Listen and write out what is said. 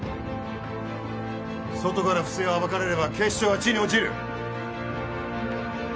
外から不正を暴かれれば警視庁は地に落ちる。